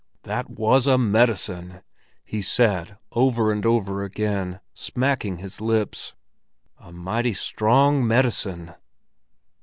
"That was a medicine!" he said over and over again, smacking his lips, "a mighty strong medicine."